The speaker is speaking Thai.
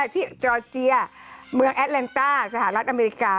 ที่จอร์เจียเมืองแอดแลนต้าสหรัฐอเมริกา